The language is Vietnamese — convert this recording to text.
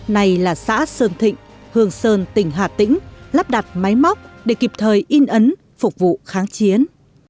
này là xã sơn thịnh hường sơn tỉnh hà tĩnh lắp đặt máy móc để kịp thời in ấn phục vụ kháng chiến